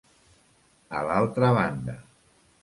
A l'altra banda.